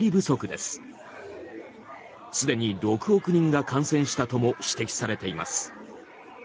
すでに６億人が感染したとも指摘されています。